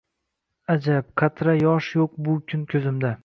Ajab, qatra yosh yo’q bu kun ko’zimda